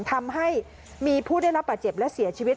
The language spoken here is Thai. ทำให้มีผู้ได้รับบาดเจ็บและเสียชีวิต